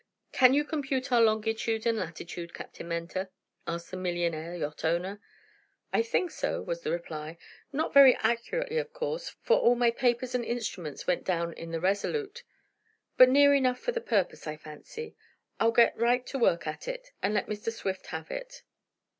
"Can you compute our longitude and latitude, Captain Mentor," asked the millionaire yacht owner. "I think so," was the reply. "Not very accurately, of course, for all my papers and instruments went down in the RESOLUTE. But near enough for the purpose, I fancy. I'll get right to work at it, and let Mr. Swift have it."